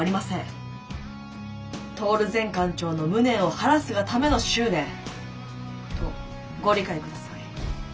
トオル前艦長の無念を晴らすがための執念とご理解下さい」。